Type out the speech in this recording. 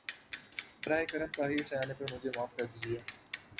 براہ کرم تاخیر سے آنے پر مجھے معاف کر دیجۓ